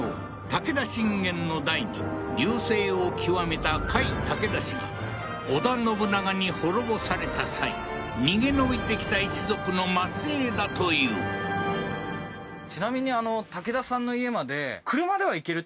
武田信玄の代に隆盛を極めた甲斐武田氏が織田信長に滅ぼされた際逃げ延びてきた一族の末裔だというちなみに家まで行ける